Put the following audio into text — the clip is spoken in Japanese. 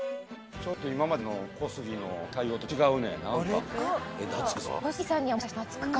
ちょっと今までの小杉の対応と違うねなんか。